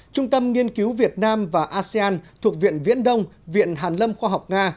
trung tâm nghiên cứu việt nam và asean thuộc viện viễn đông viện hàn lâm khoa học nga